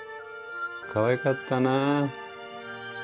かわいかったな。